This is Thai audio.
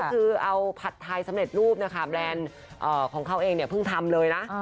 คือเอาผัดไทยสำเร็จรูปนะคะแบรนด์ของเขาเองเนี่ยเพิ่งทำเลยนะ